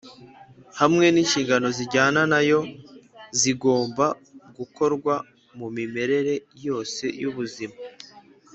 hamwe n’inshingano zijyana na yo z’ibigomba gukorwa mu mimerere yose y’ubuzima